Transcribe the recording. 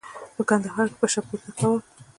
په کندهار کې پشه پورته کول.